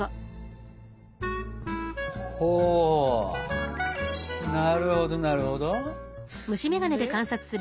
ほなるほどなるほど。